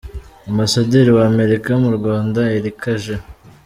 Ambasaderi wa Amerika mu Rwanda Erica J.